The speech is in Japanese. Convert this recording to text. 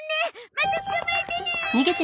また捕まえてね！